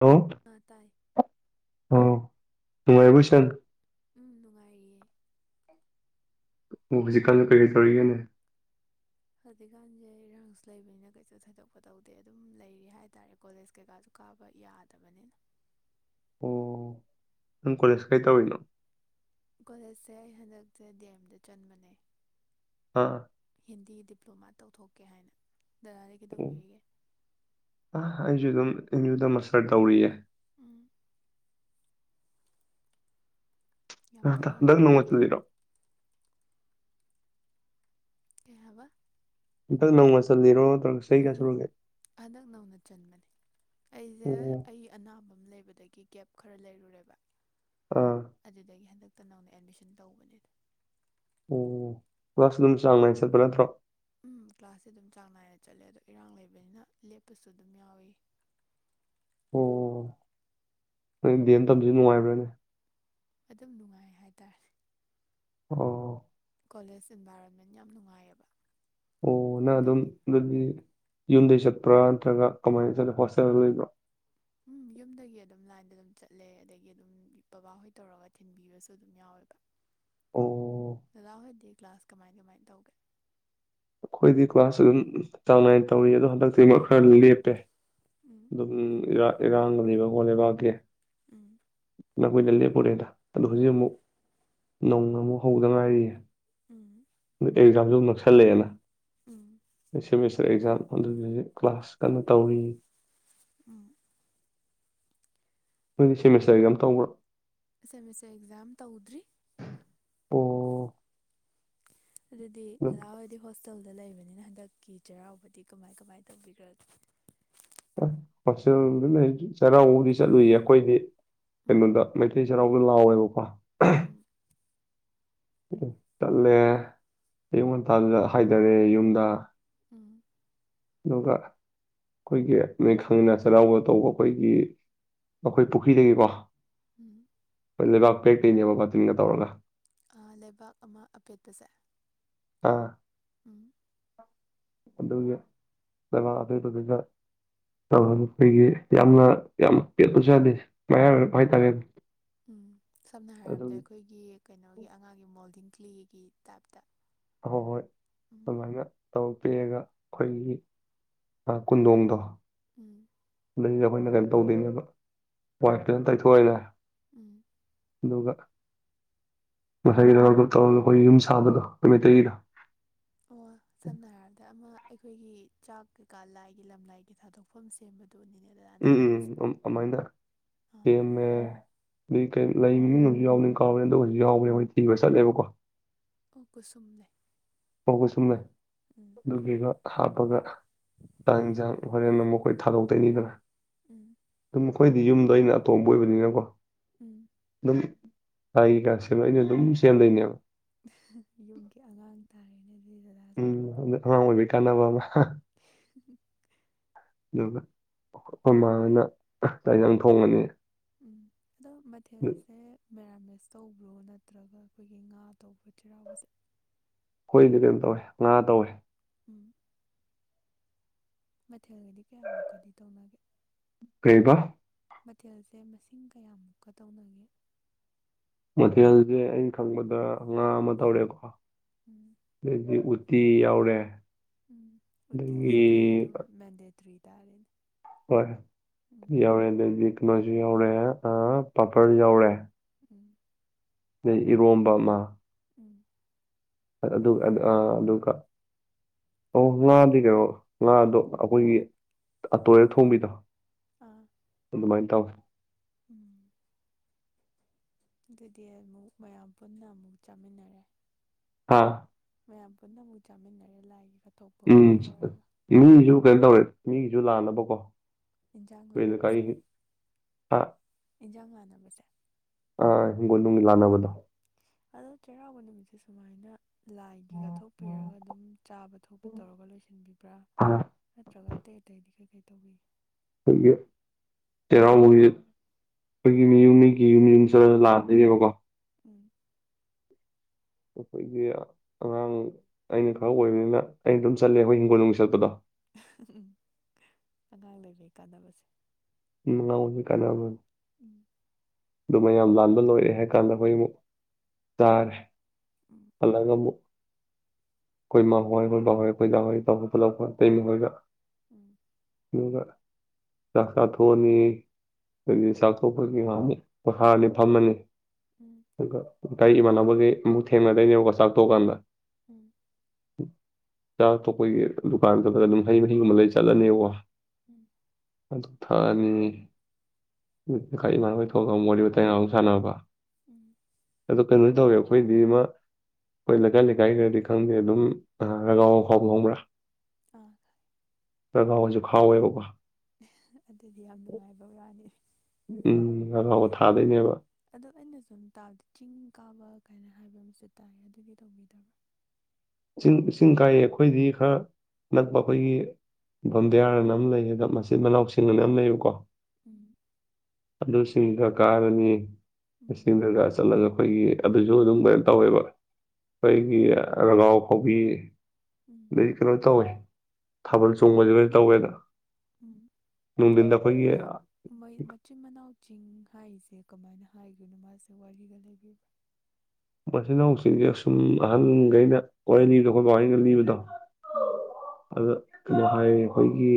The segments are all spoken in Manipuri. ꯍꯜꯂꯣ ꯑ ꯇꯥꯏ [inaudible] ꯊꯨꯡꯉꯥꯏꯕꯨꯣ [unintelligible] ꯎꯝ ꯅꯨꯡꯉꯥꯏꯔꯤꯌꯦ [inaudible] ꯑꯣ ꯍꯧꯖꯤꯛꯀꯥꯟꯁꯦ ꯀꯔꯤ ꯀꯩ ꯇꯧꯔꯤꯒꯦꯅꯦ? ꯍꯧꯖꯤꯛꯀꯥꯟꯁꯦ ꯔꯪꯁ ꯂꯩꯕꯅꯤꯅ ꯀꯩꯁꯨ ꯊꯩꯗꯣꯛꯄ ꯇꯧꯗꯦ ꯑꯗꯨꯝ ꯂꯩꯔꯤ ꯍꯥꯏ ꯇꯥꯔꯦ ꯀꯣꯂꯦꯖ ꯀꯩꯀꯥꯁꯨ ꯀꯥꯕ ꯌꯥꯗꯕꯅꯤꯅ [inaudible] ꯑꯣ ꯅꯪ ꯀꯣꯂꯦꯖ ꯀꯥꯏ ꯇꯧꯔꯤꯅꯣ? ꯀꯣꯂꯦꯖꯁꯦ ꯑꯩ ꯍꯟꯗꯛꯁꯦ ꯗꯤ ꯑꯦꯝꯗ ꯆꯟꯕꯅꯦ [inaudible] ꯑꯥ ꯍꯤꯟꯗꯤ ꯗ ꯐ꯭ꯔꯣꯋ꯭ꯔꯥꯗ ꯇꯧꯊꯣꯛꯀꯦ ꯍꯥꯏꯚꯅꯤ ꯗꯗꯥꯗꯤ ꯑꯣ ꯀꯩꯗꯧꯕꯤꯕꯤꯔꯤꯒꯦ [unintelligible] ꯑꯩꯁꯨ ꯑꯗꯨꯝ ꯏꯖꯨꯗ ꯃꯁꯠꯔ ꯇꯧꯔꯤꯌꯦ ꯎꯝ ꯌꯥꯝ [unintelligible] ꯑ ꯑꯗꯨ ꯐꯩꯅꯦ ꯑꯗꯨꯗꯤ ꯅꯣꯡꯃꯠꯇꯗꯔꯣ ꯀꯩ ꯍꯥꯌꯕꯥ ꯍꯟꯗꯥꯛ ꯅꯧꯅꯥ ꯆꯂꯤꯔꯣ ꯎꯝ ꯍꯟꯗꯛ ꯅꯧꯅ ꯆꯟꯕꯅꯦ ꯑꯩꯁꯦ ꯑꯣ ꯑꯩ ꯑꯅꯥꯕ ꯑꯃ ꯂꯩꯕꯗꯒꯤ ꯀꯦꯞ ꯈꯔ ꯂꯩꯔꯨꯔꯦꯕ ꯑꯥ ꯑꯗꯨꯗꯒꯤꯗꯒꯤ ꯍꯟꯗ [inaudible] [unintelligible] ꯈꯛꯇ ꯅꯪꯅ ꯑꯦꯠꯃꯤꯁꯟ ꯇꯧꯕꯅꯦꯗ ꯑꯣ ꯂꯁꯨ ꯑꯗꯨꯝ ꯆꯥꯡ ꯅꯥꯏꯅ ꯆꯠꯄ ꯅꯠꯇ꯭ꯔꯣ ꯎꯝ꯫ ꯀ꯭ꯂꯥꯁꯁꯦ ꯑꯗꯨꯝ ꯆꯥꯡ ꯅꯥꯏꯅ ꯆꯠꯂꯦ ꯑꯗꯣ ꯏꯔꯥꯡ ꯂꯩꯕꯅꯤꯅ ꯂꯦꯞꯄꯁꯨ ꯑꯗꯨꯝ ꯌꯥꯎꯏ꯫ ꯑꯣ ꯅ ꯗꯦꯟ ꯇꯝꯕꯥꯁꯤ ꯅꯨꯡꯉꯥꯏꯕ꯭ꯔꯥꯅꯦ ꯑꯗꯨꯝ ꯅꯨꯡꯉꯥꯏ ꯍꯥꯏꯇꯥꯔꯦ ꯑꯣ ꯀꯣꯂꯦꯖ ꯏꯟꯚꯥꯏꯔꯣꯟꯃꯦꯟ ꯌꯥꯝ ꯅꯨꯡꯉꯥꯏꯌꯦꯕ ꯑꯣ ꯅꯒ ꯑꯗꯨꯝ ꯑꯗꯨꯒꯤ ꯑꯗꯨꯗꯤ ꯌꯨꯝꯗꯒꯤꯩ ꯆꯠꯄ꯭ꯔꯥ ꯅꯠꯇ꯭ꯔꯒ ꯀꯃꯥꯏꯅ ꯆꯠꯂꯤ ꯍꯣꯁꯇꯦꯜ ꯂ ꯂꯩꯕ꯭ꯔꯥ ꯎꯝ ꯌꯨꯝꯗꯒꯤ ꯑꯗꯨꯝ ꯂꯥꯏꯟꯗ ꯑꯗꯨꯝ ꯆꯠꯂꯦ ꯑꯗꯒꯤ ꯑꯗꯨꯝ ꯕꯕꯥꯍꯣꯏ ꯇꯧꯔꯒ ꯊꯤꯟꯕꯤꯕꯁꯨ ꯑꯗꯨꯝ ꯌꯥꯎꯋꯦꯕ ꯑꯣ ꯗꯗꯥꯍꯣꯏꯗꯤ ꯀ꯭ꯂꯥꯁ ꯀꯃꯥꯏ ꯀꯃꯥꯏ ꯇꯧꯒꯦ ꯑꯩꯈꯣꯏꯗꯤ ꯀ꯭ꯂꯥꯁ ꯑꯗꯨꯝ ꯆꯥꯡ ꯅꯥꯏꯅ ꯇꯧꯏ ꯑꯗꯣ ꯍꯟꯗꯛꯇꯤꯃꯛ ꯈꯔ ꯂꯦꯞꯄꯦ ꯎꯝ ꯑꯗꯨꯝ ꯌꯥ [unintelligible] ꯏꯔꯥꯡꯒ ꯂꯩꯕ ꯈꯣꯠ [unintelligible] ꯂꯩꯕꯥꯛꯀꯦ ꯎꯝ ꯅꯈꯣꯏꯗ ꯂꯦꯞꯄꯨꯔꯦꯗ ꯑꯗꯣ ꯍꯧꯖꯤꯛ ꯑꯃꯨꯛ ꯅꯧꯅ ꯑꯃꯨꯛ ꯍꯧꯗꯅ ꯍꯥꯏꯥꯏꯔꯤꯌꯦ ꯎꯝ ꯑꯦꯛꯖꯥꯝꯁꯨ ꯑꯗꯨ ꯅꯛꯁꯜꯂꯛꯑꯦꯅ ꯎꯝ ꯑꯁ [unintelligible] ꯃ ꯑꯦꯛꯥꯝ ꯑꯗꯨ ꯀ꯭ꯂꯥꯁ ꯀꯟꯅ ꯇꯧꯔꯤ ꯎꯝ [unintelligible] ꯁꯦꯃꯤꯁꯇꯔꯒꯤ ꯌꯥꯝ ꯇꯧꯕ꯭ꯔꯣ ꯁꯦꯃꯤꯁꯇꯔ ꯑꯦꯛꯖꯝ ꯇꯎꯗ꯭ꯔꯤ ꯑꯣ ꯑꯗꯨꯗꯤ ꯑꯗꯨꯥꯎꯗꯤ ꯍꯣ ꯇꯦꯜꯗ ꯂꯩꯕꯅꯤꯅ ꯍꯟꯗꯛꯀꯤ ꯆꯩꯔꯥꯎꯕꯗꯤ ꯀꯃꯥꯏ ꯀꯃꯥꯏ ꯇꯧꯕꯤꯈ꯭ꯔꯒꯦ ꯎꯝ ꯍꯣꯁꯇꯦꯜꯗ ꯂꯩꯞꯖꯦ ꯆꯩꯔꯥꯎꯕꯕꯨꯗꯤ ꯆꯠꯂꯨꯏꯌꯦ ꯑꯈꯣꯏꯗꯤ ꯎꯝ ꯀꯩꯅꯣꯗ ꯃꯩꯇꯩ ꯆꯩꯔꯥꯎꯕ ꯂꯥꯎꯌꯦꯕꯥ ꯀꯣ ꯎꯝ ꯎꯝ ꯆꯠꯂꯦ ꯑꯌꯨꯛ ꯉꯟꯇꯥꯗꯨꯗ ꯍꯥꯏꯗꯔꯦ ꯌꯨꯝꯗ ꯎꯝ ꯑꯗꯨꯒ ꯑꯩꯈꯣꯏꯒꯤ ꯃꯤ ꯈꯪꯅ ꯆꯩꯔꯥꯎꯕ ꯇꯧꯕ ꯑꯈꯣꯏꯒꯤ ꯑꯩꯈꯣꯏ ꯄꯨꯈ꯭ꯔꯤꯗꯒꯤꯀꯣ ꯎꯝ ꯐ ꯂꯩꯕꯥꯛ ꯄꯦꯛ ꯁꯤꯅꯦꯕ ꯀꯣ ꯗꯤꯟꯒ ꯇꯧꯔꯒ ꯑ ꯂꯩꯕꯥꯛ ꯑꯃ ꯑꯄꯦꯠꯄꯁꯦ ꯑꯥ ꯎꯝ ꯑꯗꯨꯒ ꯂꯩꯕꯥꯛ ꯑꯄꯦꯠꯄꯗꯨꯒ ꯇꯧꯔꯅꯤ ꯑꯩꯈꯣꯏꯒꯤ ꯌꯥꯝꯅ ꯌꯥꯝ ꯄꯦꯠꯄꯁꯨ ꯌꯥꯗꯦ ꯃꯌꯥꯏ ꯑꯣꯏꯔꯞ ꯍꯥꯏꯇꯥꯔꯦ ꯎꯝ ꯁꯝꯅ ꯑꯗꯨꯝ ꯍꯥꯏꯔꯕꯗ ꯑꯩꯈꯣꯏꯒꯤ ꯀꯩꯅꯣꯒꯤ ꯑꯉꯥꯡꯒꯤ ꯃꯣꯜꯗꯤꯡ ꯀꯂꯤꯒꯤ ꯇꯞ ꯑꯍꯣꯏ ꯍꯣꯏ ꯑꯗꯨꯃꯥꯏꯅ ꯇꯧ ꯄꯦꯑꯒ ꯈꯣꯏꯒꯤ ꯑ ꯀꯨꯟꯗꯣꯡꯗꯣ ꯎꯝ ꯂꯩꯔ ꯈꯣꯏꯅ ꯀꯩꯅꯣꯝ ꯇꯧꯗꯣꯏꯅꯦꯕ ꯋꯥꯏ ꯐꯥꯖꯅ ꯇꯩꯊꯣꯛꯑꯦꯗꯅ ꯎꯝ ꯑꯗꯨꯒ ꯉꯁꯥꯏꯒꯤ [unintelligible] ꯇꯧꯔꯒ ꯑꯩꯈꯣꯏ ꯌꯨꯝ ꯁꯥꯕꯗꯣ ꯑꯩꯈꯣꯏ ꯃꯩꯇꯩꯒꯤꯗꯣ ꯑꯣ ꯁꯥꯟꯅ ꯍꯥꯏꯔꯞꯗ ꯑꯃ ꯑꯩꯈꯣꯏꯒꯤ ꯆꯥꯛ ꯀꯩꯀꯥ ꯂꯥꯏꯒꯤ ꯂꯝꯂꯥꯏꯒꯤ ꯊꯥꯗꯣꯛꯐꯝ ꯁꯦꯝꯕ ꯎꯝ ꯎꯝ ꯎꯝ ꯑꯃꯥꯏꯅ ꯑꯥ ꯁꯦꯝꯃꯦ ꯎꯝ ꯀꯩ ꯂꯩ ꯃꯃꯤꯡ ꯑꯃꯖꯨ ꯌꯥꯎꯕꯅꯦ ꯀꯥꯎꯒꯔꯦ ꯑꯗꯨꯒꯖꯨ ꯌꯥꯎꯕꯅꯦ ꯃꯣꯏ ꯊꯤꯕ ꯆꯠꯂꯦꯕ ꯀꯣ ꯑꯣ ꯀꯨꯁꯨꯝ ꯂꯩ ꯑꯣ ꯀꯣꯁꯨꯝ ꯂꯩ ꯎꯝ ꯑꯗꯨꯒꯤꯕ ꯍꯥꯞꯄꯒ ꯆꯥꯡ ꯌꯦꯟꯖꯥꯡ ꯍꯣꯔꯦꯟꯅ ꯑꯃꯨꯛ ꯈꯣꯏ ꯊꯥꯗꯣꯛꯇꯩꯏꯅꯤꯗꯅ ꯎꯝ ꯗꯨꯝ ꯈꯣꯏꯗꯤ ꯌꯨꯝꯗꯣ ꯑꯩꯅ ꯑꯇꯣꯝꯕ ꯑꯣꯏꯕꯅꯤꯅꯀꯣ ꯎꯝ ꯑꯩꯒꯁꯦ ꯂꯣꯏꯅ ꯗꯨꯝ ꯆꯦꯟꯗꯣꯏꯅꯦꯕ ꯌꯨꯝꯒꯤ ꯑꯉꯥꯡ ꯇꯥꯔꯦꯅꯦ ꯑꯗꯨꯗꯤ ꯗꯗꯥꯁꯦ ꯎꯝ ꯍꯟꯗꯛ ꯑꯉꯥꯡ ꯑꯣꯏꯕꯩ ꯀꯥꯟꯅꯕ ꯑꯃ ꯍꯥ [inaudible] ꯑꯗꯨꯒ ꯈꯣꯏꯃꯅꯥ ꯑꯍ ꯆꯥꯛ ꯏꯟꯖꯥꯡ ꯊꯣꯡꯉꯅꯤ ꯎꯝ ꯑꯗꯣ ꯑꯗꯨ ꯃꯊꯦꯜꯁꯦ ꯃꯔꯥ ꯃꯦꯁ ꯇꯧꯕ꯭ꯔꯣ ꯅꯠꯇ꯭ꯔꯒ ꯑꯩꯈꯣꯏꯒꯤ ꯉꯥ ꯇꯧꯕ꯭ꯔꯣ ꯆꯩꯔꯥꯎꯕꯁꯦ꯫ ꯀꯩꯅꯣ ꯑꯩꯈꯣꯏꯗꯤ ꯇꯧꯋꯦ ꯉꯥ ꯇꯧꯋꯦ꯫ ꯎꯝ ꯃꯊꯦꯜꯒꯗꯤ ꯀꯌꯥꯃꯨꯛꯀꯗꯤ ꯇꯧꯅꯒꯦ꯫ ꯀꯩꯕ꯫ ꯃꯊꯦꯜꯁꯦ ꯃꯁꯤꯡ ꯀꯌꯥꯃꯨꯛꯀ ꯇꯧꯅꯒꯦ꯫ ꯃꯊꯦꯜꯦꯜꯁꯦ ꯑꯩꯅ ꯈꯪꯕꯗ ꯉꯥ ꯑꯃ ꯇꯧꯔꯦꯀꯣ ꯎꯝ [unintelligible] ꯇꯤ ꯌꯥꯎꯔꯦ꯫ ꯎꯝ ꯑꯗꯒꯤ ꯎꯇꯤꯁꯤꯗꯤ ꯑꯗꯨꯝ ꯃꯦꯟꯗꯦꯇ꯭ꯔꯤ ꯇꯥꯔꯦꯅꯦ ꯎꯝ ꯍꯣꯏ ꯑꯗꯩꯗꯤ ꯅꯣꯏ ꯌꯥꯎꯔꯦ ꯑꯪ ꯄꯥꯄꯔ ꯌꯎꯔꯦ꯫ ꯎꯝ ꯑꯗꯩ ꯏꯔꯣꯝꯕ ꯑꯃ ꯎꯝ ꯑꯗꯨꯒ ꯑꯥ ꯑꯗꯨꯒ ꯑꯣ ꯉꯥꯗꯤ ꯀꯩꯅꯣ ꯉꯥꯗꯣ ꯑꯩꯈꯣꯏꯒꯤ ꯑ ꯇꯣꯏꯔ ꯊꯣꯡꯕꯤꯗꯣ ꯑꯥ ꯑꯗꯨ ꯃꯥꯏ ꯇꯧꯢ꯫ ꯎꯝ ꯑꯗꯨꯗꯤ ꯑꯃꯨꯛ ꯃꯌꯥꯝ ꯄꯨꯟꯅ ꯑꯃꯨꯛ ꯆꯥꯃꯤꯟꯅꯔꯦ꯫ ꯍꯥꯥ ꯃꯌꯥꯝ ꯄꯨꯟꯅ ꯑꯃꯨꯛ ꯆꯥꯃꯤꯟꯅꯔꯦ ꯂꯥꯛꯏꯒꯤ ꯈꯥꯏ ꯎꯝ ꯏꯃꯨꯡꯖꯨ ꯀꯩꯅꯣ ꯇꯧꯔꯦ ꯃꯤꯁꯨ ꯂꯅꯕ ꯍꯀꯣ ꯏꯟꯖꯥꯡ ꯂꯥꯟꯅꯕꯁꯦ ꯑ ꯏꯟꯖꯥꯡ ꯂꯥꯟꯅꯕꯁꯦ ꯑ ꯍꯤꯡꯒꯣꯜ ꯅꯨꯡꯒꯤ ꯂꯥꯟꯅꯕꯗꯣ ꯎꯝ ꯑꯗꯣ ꯆꯩꯔꯥꯎꯕ ꯅꯨꯃꯤꯠ ꯁꯤ ꯁꯨꯃꯥꯏꯅ ꯂꯥꯏꯒꯤ ꯀꯠꯊꯣꯛꯄꯤꯔꯒ ꯑꯗꯨꯝ ꯆꯥꯕ ꯊ ꯊꯣꯛꯄ ꯇꯧꯔꯒ ꯂꯣꯏꯁꯤꯟꯕꯤꯕ꯭ꯔꯥ ꯑ ꯅꯠꯇ꯭ꯔꯒ ꯑꯇꯩ ꯑꯇꯩꯗꯤ ꯀꯩꯀꯩ ꯗꯤ ꯇꯧꯋꯤ꯫ ꯑꯩꯈꯣꯏꯒꯤ ꯆꯩꯔꯥꯎꯕꯒꯤ ꯑꯩꯈꯣꯏꯒꯤ ꯃꯤꯒꯤ ꯌꯨꯝ ꯌꯨꯝ ꯆꯠꯂ ꯂꯥꯛꯑꯗꯣꯏꯅꯦꯕꯀꯣ ꯎꯝ ꯑꯩꯈꯣꯏꯒꯤ ꯑꯉꯥꯡ ꯑꯩꯅ ꯈꯔ ꯑꯣꯏꯕꯅꯤꯅ ꯑꯩꯅ ꯑꯗꯨꯝ ꯆꯠꯂꯦ ꯑꯩꯈꯣꯏꯒꯤ ꯍꯤꯡꯒꯣꯜ ꯅꯨꯡꯒꯤ ꯆꯠꯄꯗꯣ ꯑꯪ ꯑꯝ ꯍꯝ ꯑꯉꯥꯡ ꯂꯩꯕꯒꯤ ꯀꯩ ꯀꯥꯟꯗꯅꯕꯁꯦ꯫ ꯀꯥꯅꯕꯅꯤ꯫ ꯎꯝ꯫ ꯑꯗꯨ ꯃꯌꯥꯝ ꯂꯥꯟꯕ ꯂꯣꯏꯔꯦ ꯍꯥꯏ ꯀꯥꯟꯗ ꯑꯩꯈꯣꯏ ꯑꯃꯨꯛ ꯆꯥꯔꯦ꯫ ꯎꯝ ꯄꯂꯒ ꯑꯃꯨ ꯈꯣꯏ ꯃꯥ ꯍꯣꯏ ꯃꯣꯏ ꯃꯤ ꯍꯣꯏ [unintelligible] ꯎꯝ꯫ ꯑꯗꯨꯒ ꯆꯥꯛ ꯆꯥꯊꯣꯛꯑꯅꯤ ꯑꯗꯨꯒ ꯆꯥꯛ ꯇꯣꯛꯄꯒꯤ ꯉꯥꯏꯍꯥꯛꯃꯨꯛ ꯄꯣꯊꯥꯔꯅꯤ ꯐꯝꯃꯅꯤ꯫ ꯎꯝ ꯑꯗꯨꯒ ꯂꯩꯀꯥꯏ ꯏꯃꯥꯅꯕꯒ [unintelligible] ꯑꯃꯨꯛ ꯊꯦꯡꯅꯗꯣꯏꯅꯦꯕꯀꯣ ꯆꯥꯛꯇꯣꯛꯑꯀꯥꯟꯗ ꯎꯝ꯫ ꯆꯥꯛ ꯊꯣꯛꯄꯣꯏꯒꯤ ꯗꯨꯀꯥꯟ ꯈꯗꯒ ꯑꯗꯨꯝ ꯍꯩ ꯃꯍꯤꯒꯨꯝꯕ ꯂꯩ ꯆꯠꯂꯅꯦꯕ ꯎꯝ ꯑꯗꯨꯗꯣ ꯊꯥ ꯑꯅꯤ [inaudible] ꯊꯣꯛ ꯑꯒ ꯋꯥꯔꯤ ꯃꯇꯥꯏ ꯑꯃꯨ ꯁꯥꯟꯅꯕ ꯎꯝ ꯑꯗ ꯀꯅ ꯇꯧꯋꯦ ꯑꯩꯈꯣꯏꯗꯤꯃ ꯑꯩꯈꯣꯏ ꯂꯩꯀꯥꯏ ꯂꯩꯀꯥꯏ ꯈꯔꯗꯤ ꯈꯪꯗꯦ ꯑꯗꯨꯝ ꯔꯒꯥꯎ ꯑꯈꯥꯎꯕ ꯉꯪꯕ꯭ꯔꯥ ꯑ ꯄꯔꯒꯥꯎꯁꯨ ꯈꯥꯎꯋꯦꯕꯀꯣ [inaudible] ꯑꯗꯨꯗꯤ ꯌꯥꯝ ꯅꯨꯡꯉꯥꯏꯕ ꯋꯥꯅꯤ ꯏ ꯐꯥꯎꯕ ꯊꯥꯗꯣꯏꯅꯦꯕ ꯑꯗꯣ ꯑꯩꯅ ꯁꯨꯝ ꯇꯥꯕꯗ ꯆꯤꯡ ꯀꯥꯕ ꯀꯥꯏꯅ ꯍꯥꯏꯕ ꯑꯃꯁꯨ ꯇꯥꯏ ꯑꯗꯨꯒꯤ ꯇꯧꯕꯤꯗꯕ꯭ꯔꯥ ꯆꯤꯡ ꯆꯤꯡ ꯀꯥꯏꯌꯦ ꯑꯩꯈꯣꯏꯗꯤ ꯈꯔ ꯅꯛꯄ ꯑꯩꯈꯣꯏꯒꯤ ꯕꯝꯕꯤꯌꯥꯔ ꯑꯅ ꯑꯃ ꯂꯩ ꯑꯗ ꯃꯆꯤꯟ ꯃꯅꯥꯎ ꯁꯤꯡ ꯑꯅ ꯑꯃ ꯂꯩꯌꯦꯕꯀꯣ ꯎꯝ ꯑꯗꯨꯁꯤꯡꯗ ꯀꯥꯔꯅꯤ ꯎꯝ ꯏꯁꯔꯀꯔ ꯆꯜꯂꯣ ꯑꯩꯈꯣꯏꯒꯤ ꯑꯗꯨꯁꯨ ꯑꯗꯨꯝ ꯂꯣꯏꯅ ꯇꯧꯋꯦꯕ ꯑꯩꯈꯣꯏꯒꯤ ꯔꯒꯥꯎ ꯍꯣꯕꯤ ꯎꯝ ꯔꯤ ꯀꯥꯎ ꯇ ꯍꯣꯏ ꯊꯥꯕꯜ ꯆꯣꯡꯕꯗꯤ ꯂꯣꯏ ꯇꯧꯋꯦꯗ ꯎꯝ ꯅꯨꯡꯊꯤꯟꯗ ꯑꯩꯈꯣꯏꯒꯤ ꯑꯗꯣ ꯃꯤ ꯃꯅꯥ ꯆꯤꯡ ꯍꯥꯏꯔꯤꯁꯦ ꯀꯃꯥꯏꯅ ꯍꯥꯏꯈꯤꯕꯣꯏꯅꯣ ꯃꯥꯁꯦ ꯋꯥꯔꯤꯒ ꯂꯩꯕꯤꯕ ꯃꯆꯤꯟ ꯏꯅꯥꯎꯁꯤꯡꯁꯦ ꯑꯁꯨꯝ ꯑꯍꯟꯈꯩꯅ ꯋꯥꯔꯤ ꯂꯤꯕꯗꯣ ꯈꯈꯣꯏꯄꯍꯒ ꯂꯤꯕꯗꯣ ꯎꯝ ꯑꯗ ꯀꯩꯅꯣ ꯍꯥꯏ ꯑꯩꯈꯣꯏꯒꯤ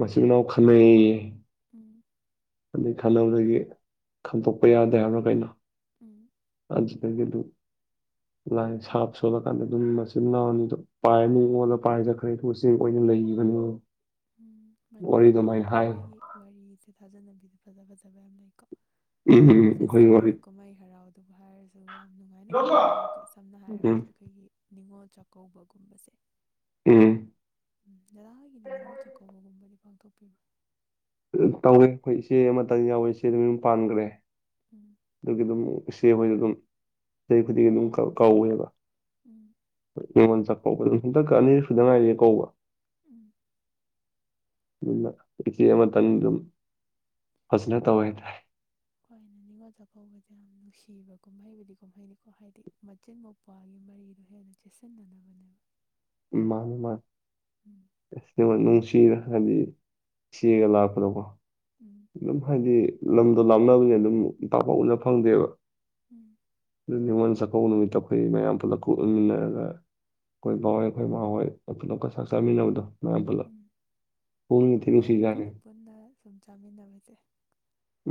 ꯃꯆꯤꯟ ꯃꯅꯥꯎ ꯈꯅꯩ ꯎꯝ ꯑꯩ ꯈꯟꯅꯕꯗꯒꯤ ꯈꯟꯗꯣꯛꯄ ꯌꯥꯗꯦ ꯍꯥꯏꯕ꯭ꯔꯥ ꯀꯩꯅꯣ ꯎꯝ ꯑꯗꯨꯗꯒꯤ ꯑꯗꯨꯝ ꯂꯥꯏ ꯁꯥꯞ ꯁꯣꯜꯂꯀꯥꯟꯗ ꯑꯗꯨꯝ ꯃꯆꯤꯟ ꯅꯥꯎꯟꯗ ꯄꯥꯏꯔꯅꯤ ꯑꯣꯣꯜꯂ ꯄꯥꯏꯖꯈ꯭ꯔꯦ ꯑꯗꯨ ꯎꯆꯦꯛ ꯑꯣꯏꯅ ꯂꯩꯈꯤꯕꯅꯤ ꯎꯝ ꯋꯥꯔꯤꯗꯣ ꯑꯗꯨꯃꯥꯏꯅ ꯃꯅꯤꯄꯨꯔꯤꯒ ꯍꯥꯏ ꯑꯩꯈꯣꯏꯒꯤ ꯋꯥꯔꯤꯁꯦ ꯊꯥꯖꯅꯕꯤꯗ ꯐꯖ ꯐꯖꯕ ꯌꯥꯝ ꯂꯩꯀꯣ ꯎꯝ ꯑꯩꯈꯣꯏꯒꯤ ꯋꯥꯔꯤ ꯐꯦꯁꯤꯚꯦꯜ ꯀꯨꯝꯃꯥꯏ ꯍꯔꯥꯎꯗ ꯚꯥꯏꯔꯁꯨꯒ ꯌꯥꯝ ꯌꯥꯝ ꯅꯨꯡꯉꯥꯏ ꯅꯨꯡꯉꯥꯏꯕ ꯌꯥꯝ ꯂꯩꯀꯣ ꯁꯝꯅ ꯍꯥꯏꯔꯕꯗ ꯎꯝ ꯑꯩꯈꯣꯏꯒꯤ ꯅꯤꯉꯣꯜ ꯆꯥꯛꯀꯧꯕꯒꯨꯝꯕꯁꯦ ꯎꯝ ꯎꯝ ꯖꯗꯥꯥꯒꯤꯗꯤ ꯅꯤꯉꯣꯜ ꯆꯥꯛꯀꯧꯕꯒꯨꯝꯕꯗꯤ ꯄꯥꯡꯊꯣꯛꯄꯤꯕ꯭ꯔꯥ ꯇꯧꯋꯦ ꯑꯩꯈꯣꯏ ꯏꯆꯦ ꯑꯃꯇꯪ ꯌꯥꯎꯋꯦ ꯏꯆꯦ ꯌꯨꯝ ꯄꯥꯟꯈ꯭ꯔꯦ ꯎꯝ ꯑꯗꯨꯒꯤ ꯑꯗꯨꯝ ꯆꯦ ꯑꯩꯣꯏꯅ ꯑꯗꯨꯝ ꯆꯍꯤ ꯈꯨꯗꯤꯡꯒꯤ ꯑꯗꯨꯝ ꯀꯧꯋꯦꯕ ꯎꯝ ꯆ [unintelligible] ꯑꯅꯤꯔꯛ ꯁꯨꯗ ꯉꯥꯏꯔꯤꯦ ꯀꯧꯕ ꯎꯝ ꯏꯆꯦ ꯑꯃꯇꯪ ꯑꯗꯨꯝ ꯐꯖꯅ ꯇꯧꯋꯦ ꯍꯥꯏꯇꯥꯥꯏꯦ ꯈ ꯑꯩꯅ ꯅꯤꯡꯉꯣꯜ ꯆꯥꯛꯀꯧꯕꯁꯦ ꯌꯥꯝ ꯅꯨꯡꯁꯤꯕ ꯀꯨꯝꯍꯩꯕꯨꯗꯤ ꯀꯨꯝꯍꯩꯅꯤꯀꯣ ꯍꯥꯏꯗꯤ ꯃꯆꯤꯟ ꯃꯧ꯭ꯋꯥꯒꯤ ꯃꯔꯤꯗꯣ ꯍꯦꯟꯅ ꯆꯦꯁꯤꯟꯅꯅꯕꯅꯦꯕ ꯃꯥꯒꯤ ꯃꯥ [unintelligible] ꯅꯨꯡꯁꯤꯔ ꯍꯥꯏꯗꯤ ꯁꯤꯒ ꯂꯥꯛꯄꯗꯣꯀꯣ ꯎꯝ ꯑꯗꯨꯝ ꯍꯥꯏꯗꯤ ꯂꯝ ꯂꯥꯞꯅꯕꯒꯤꯅꯥ ꯑꯗꯨꯝ ꯄꯛꯄꯥꯛ ꯎꯅ ꯐꯪꯗꯦꯕ ꯎꯝ [unintelligible] ꯑꯗꯨꯅꯤꯃꯣꯟ ꯁ ꯑꯦꯄꯣꯛ ꯅꯨꯃꯤꯠꯇ ꯑꯩꯈꯣꯏ ꯃꯌꯥꯝ ꯄꯨꯂ ꯀꯍꯟꯃꯤꯟꯅꯔꯒ ꯑꯩꯈꯣꯏ ꯕꯥꯋꯥꯏ ꯍꯣꯏ ꯃꯥ ꯍꯣꯏ ꯑꯅꯞꯀ ꯆꯥꯛ ꯆꯥꯃꯤꯟꯅꯕꯗꯣ ꯃꯌꯥꯝ ꯄꯨꯂꯞ ꯎꯝ ꯄꯨꯛꯅꯤꯡ ꯊꯤ ꯃꯌꯥꯝ ꯅꯨꯡꯁꯤꯖꯥꯠꯅꯤ ꯄꯨꯂꯞ ꯄꯨꯟꯅ ꯁꯨꯝ ꯆꯥꯃꯤꯟꯅꯕꯁꯦ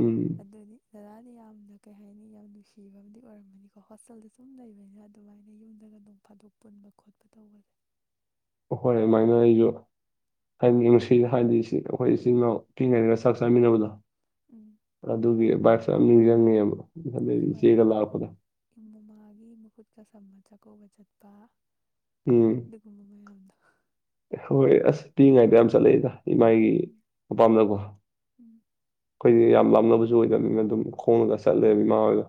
ꯎꯝ ꯑꯗꯨꯗꯤ ꯖꯗꯥꯥꯗꯤ ꯌꯥꯝꯅ ꯀꯩ ꯍꯥꯏꯅꯤ ꯌꯥꯝ ꯅꯨꯡꯁꯤꯕ ꯑꯃꯗꯤ ꯑꯣꯏꯔꯝꯒꯅꯤꯀꯣ ꯍꯣꯁꯇꯦꯜꯗ ꯁꯨꯝ ꯂꯩꯕꯅꯤꯅ ꯑꯗꯨꯃꯥꯏꯅ ꯌꯨꯝꯗꯒ ꯑꯗꯨꯝ ꯐꯥꯗꯣꯛ ꯄꯨꯟꯕ ꯈꯣꯠꯄ ꯇꯧꯕꯁꯦ ꯑꯩꯈꯣꯏ ꯑꯗꯨꯃꯥꯏꯅ ꯑꯩꯁꯨ ꯍꯥꯏꯅꯤꯡꯉꯁꯤ ꯍꯥꯏꯗꯤ ꯑꯩꯈꯣꯏ ꯏꯆꯤꯜ ꯏꯅꯥꯎ ꯄꯤꯉꯔꯤꯒ ꯆꯥꯛ ꯆꯥꯃꯤꯟꯅꯕꯗꯣ ꯎꯝ ꯑꯗꯨꯒꯤ [unintelligible] ꯏ ꯑꯗꯨꯝ ꯍꯣꯏ ꯆꯪꯅꯤꯑꯕ ꯑꯗꯒꯤ [unintelligible] ꯃꯃꯥꯒꯤ ꯃꯈꯨꯠꯀ ꯁꯝꯃ ꯆꯥꯛꯀꯧꯕ ꯆꯠꯄ ꯗꯤꯒꯨꯝꯕ ꯃꯥꯗ ꯍꯣꯏ ꯑꯁ ꯄꯤꯛꯏꯉꯩꯗ ꯌꯥꯝ ꯆꯠꯂꯛꯏꯗ ꯏꯃꯥꯒꯤ ꯎꯝ ꯃꯄꯥꯝꯅꯀꯣ ꯎꯝ ꯑꯩꯈꯣꯏꯗꯤ ꯌꯥꯝ ꯂ ꯈꯪꯅꯕꯁꯨ ꯑꯣꯏꯗꯕꯅꯤꯅ ꯑꯗꯨꯝ ꯈꯣꯡꯉꯒ ꯆꯠꯂꯦꯕ ꯏꯃꯥ ꯍꯣꯏꯒ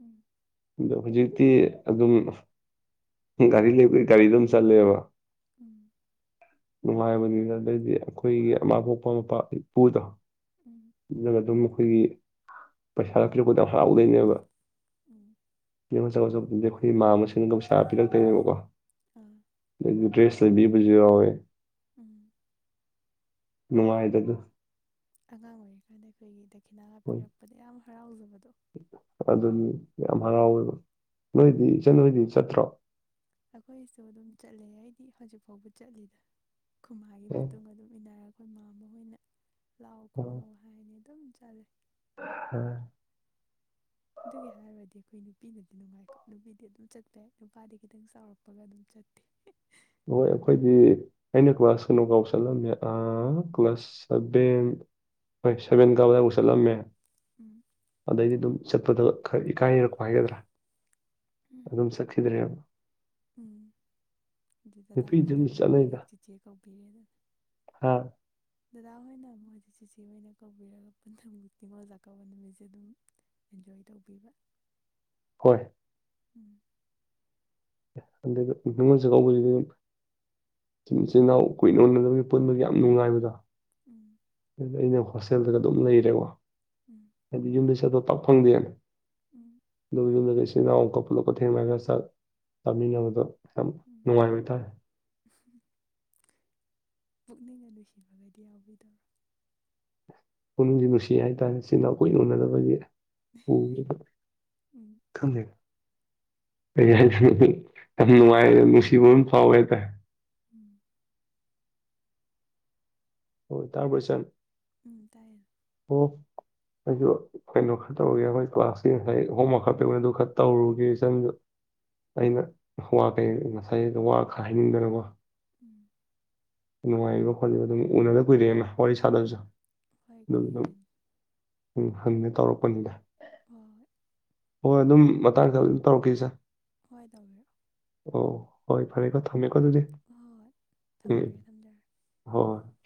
ꯎꯝ ꯑꯗꯣ ꯍꯧꯖꯤꯛꯇꯤ ꯑꯗꯨꯝ ꯒꯥꯔꯤ ꯂꯩꯕꯒꯤ ꯒꯥꯔꯤ ꯑꯗꯨꯝ ꯆꯠꯂꯦꯕ ꯎꯝ ꯅꯨꯡꯉꯥꯏꯕꯅꯤꯅ ꯑꯗꯩꯗꯤ ꯑꯩꯈꯣꯏꯒꯤ ꯑꯃꯥ ꯄꯣꯛꯄ ꯃꯄꯥ ꯏꯄꯨꯗꯣ ꯎꯝ ꯑꯗꯨꯝ [unintelligible] ꯑꯩꯈꯣꯏꯒꯤ ꯄꯩꯁꯥ ꯒ ꯄꯤꯔꯛꯄꯗ ꯎꯝ ꯎꯝ ꯍꯔꯥꯎꯗꯣꯏꯅꯦꯕꯅꯤ [unintelligible] ꯀ ꯁꯒꯣꯁꯨꯣ ꯑꯗꯨꯗꯤ ꯑꯩꯈꯣꯏ ꯏꯃ ꯃꯁꯤꯡꯅ ꯀꯁꯥ ꯄꯤꯔꯛꯇꯣꯏꯅꯦꯕꯀꯣ ꯑꯥ [unintelligible] [unintelligible] ꯁꯦꯕꯤꯕꯨꯖꯤ ꯌꯥꯦ ꯎꯝ [unintelligible] ꯑꯉꯥꯡ ꯑꯣꯏꯔꯤꯀꯥꯟꯗ ꯑꯩꯈꯣꯏꯒꯤ [unintelligible] ꯈꯤꯅꯥꯒ ꯍꯣꯏ ꯄꯤꯔꯛꯄꯗ ꯌꯥꯝ ꯍꯔꯥꯎ ꯍꯧꯖꯕ ꯑꯗꯨꯅꯤ ꯌꯥꯝ ꯎꯝ ꯍꯔꯥꯎꯋꯦꯕ, ꯅꯣꯏꯗꯤ? ꯅꯣꯏꯗꯤ ꯆꯠꯇ꯭ꯔꯣ? ꯑꯩꯈꯣꯏꯁꯨ ꯑꯗꯨꯝ ꯆꯠꯂꯦ ꯑꯩꯗꯤ ꯍꯧꯖꯤꯛ ꯐꯥꯎꯕꯨ ꯆꯠꯂꯤꯗ꯫ ꯑꯈꯣꯏꯃꯥꯒꯤ ꯑꯣ ꯃꯇꯨꯡ ꯑꯗꯨꯝ ꯏꯟꯅꯔꯛ ꯃꯥꯝꯃꯥ ꯍꯣꯏꯅ ꯂꯥꯎ - ꯑꯣ ꯈꯣꯠꯂꯣ ꯍꯥꯏꯅ ꯑꯗꯨꯝ [unintelligible] [unintelligible] ꯑꯗꯨꯒꯤ ꯍꯥꯏꯔꯨꯔꯗꯤ ꯑꯩꯈꯣꯏ ꯅꯨꯄꯤꯅꯗꯤ ꯅꯨꯡꯉꯥꯏꯀꯣ, ꯅꯨꯄꯤꯗꯤ ꯑꯗꯨꯝ ꯆꯠꯄ ꯌꯥꯏ ꯅꯨꯄꯥꯗꯤ ꯈꯤꯇꯪ ꯆꯥꯎꯔꯛꯄꯒ ꯑꯗꯨꯝ ꯆꯠꯇꯦ꯫ ꯍꯣꯏ ꯑꯩꯈꯣꯏꯗꯤ ꯑꯩꯅ ꯀ꯭ꯂꯥꯁ ꯀꯩꯅꯣ ꯕꯥꯎ ꯆꯠꯂꯝꯃꯦ ꯑꯥ ꯀ꯭ꯂꯥꯁ ꯁꯚꯦꯟ ꯍꯣꯏ ꯁꯚꯦꯟ ꯀꯥꯕꯗꯥꯏꯐꯥꯎ ꯆꯠꯂꯝꯃꯦ꯫ ꯎꯝ ꯑꯗꯩꯗꯤ ꯑꯗꯨꯝ ꯆꯠꯄꯗ ꯈꯔ ꯏꯀꯥꯏꯅꯔꯛꯄ ꯍꯥꯏꯒꯗ꯭ꯔꯥ? ꯎꯝ ꯑꯗꯨꯝ ꯆꯛꯈꯤꯗ꯭ꯔꯦꯕ꯫ ꯎꯝ꯫ ꯑꯗꯨ ꯗꯗꯥ ꯅꯨꯄꯤꯗꯤ ꯍꯣꯏꯅ ꯑꯗꯨꯝ ꯑꯃꯨꯛ ꯍꯧꯖꯤꯛ ꯆꯠꯅꯩꯗ ꯆꯤꯆꯦ ꯀꯧꯕꯤꯔꯦ ꯅ ꯍꯥ ꯫ ꯗꯗꯥ ꯍꯣꯏꯅ ꯃꯣꯏꯁꯤ ꯆꯤꯆ ꯑꯣꯏꯅ ꯀꯧꯕꯤꯔꯒ ꯄꯨꯟꯊ ꯅꯤꯉꯣꯜ ꯆꯥꯛꯀꯧꯕ ꯅꯨꯃꯤꯠꯁꯦ ꯑꯗꯨꯝ ꯑꯦꯟꯖꯣꯏ ꯇꯧꯕꯤꯕ꯭ꯔ ꯍꯣꯏ ꯎꯝ ꯑꯗꯨꯒ ꯅꯤꯡꯉꯣꯟ ꯆꯥꯛꯀꯧꯕꯁꯤꯗꯤ ꯑꯗꯨꯝ ꯏꯆꯤꯜ ꯏꯅꯥꯎ ꯀꯨꯏꯅ ꯎꯅꯅꯕꯒꯤ ꯄꯨꯟꯕꯒꯤ ꯌꯥꯝ ꯅꯨꯡꯉꯥꯏꯕꯗꯣ ꯎꯝ ꯑꯩꯅ ꯍꯣꯁꯦꯜꯗꯒ ꯑꯗꯨꯝ ꯂꯩꯔꯦꯀꯣ ꯎꯝ ꯍꯥꯏꯗꯤ ꯌꯨꯝꯗ ꯄꯥꯛ ꯐꯪꯗꯦ ꯎꯝ [unintelligible] [unintelligible] ꯄꯨꯂꯞ ꯀ ꯊꯦꯡꯅꯔ ꯆꯥꯛ ꯆꯥꯃꯤꯟꯅꯕꯗꯣ ꯌꯥꯝ ꯎꯝ ꯅꯨꯉꯥꯏꯕ ꯍꯥꯏꯇꯥꯔꯦ ꯄꯨꯛꯅꯤꯡꯒ ꯅꯨꯡꯁꯤꯕꯒꯗꯤ ꯌꯥꯎꯕꯤꯗꯔꯣ ꯄꯨꯛꯅꯤꯡꯁꯤ ꯅꯨꯡꯁꯤ ꯍꯥꯏꯇꯥꯔꯦ ꯆꯤꯟꯅꯥꯎ ꯀꯨꯏꯅ ꯎꯅꯗꯕꯒꯤ ꯎ ꯎꯝ ꯈꯪꯗꯦ [unintelligible] ꯅꯨꯡꯁꯤꯕ ꯐꯥꯎ ꯍꯥꯏꯇꯥꯔꯦ ꯎꯝ ꯑꯣ ꯇꯥꯕ꯭ꯔꯣ ꯏꯆꯟ ꯑꯣ [unintelligible] ꯑꯩꯁꯨ ꯀꯩꯅꯣ ꯈꯔ ꯇꯧꯔꯨꯒꯦ ꯑꯩꯈꯣꯏ ꯀ꯭ꯂꯥꯁꯀꯤ ꯉꯁꯥꯏ ꯍꯣꯝꯋꯥꯔꯛ ꯈꯛꯇ ꯑꯣꯏꯅ ꯑꯗꯨ ꯈꯔ ꯇꯧꯔꯨꯒꯦ ꯏꯆꯟꯗꯨ ꯑꯩꯅ ꯋꯥ ꯀꯩ ꯉꯁꯥꯏꯗ ꯋꯥ ꯈꯔ ꯍꯥꯏꯅꯤꯡꯗꯅꯀꯣ ꯎꯝ ꯅꯨꯉꯥꯏꯔꯤꯕ ꯈꯣꯠꯂꯤꯕ ꯑꯗꯨꯝ ꯎꯅꯗ ꯀꯨꯏꯔꯦꯅ ꯋꯥꯔꯤ ꯁꯥꯗꯕꯁꯨ [inaudible] ꯎꯝ ꯍꯪꯉꯒꯦ ꯇꯧꯔꯛꯄꯅꯤꯗ꯫ ꯍ ꯍꯣꯏ ꯑꯗꯨꯝ ꯃꯇꯥꯡ ꯈꯔ ꯑꯗꯨꯝ ꯇꯧꯔꯛꯀꯦ ꯏꯆꯥ ꯍꯣꯏ ꯇꯧꯕꯤꯔꯛꯑꯣ ꯑꯣ ꯍꯣꯏ ꯎꯝ ꯐꯔꯦꯀꯣ ꯊꯝꯃꯦꯀꯣ ꯑꯗꯨꯗꯤ ꯍꯣꯏ ꯍꯣꯏ ꯍꯣꯏ ꯊꯝꯖꯔꯒꯦ ꯎꯝ ꯊꯝꯖꯔꯒꯦ ꯍꯣꯏ ꯍꯣꯏ